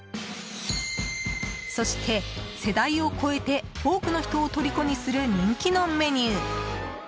そして、世代を超えて多くの人をとりこにする人気のメニュー。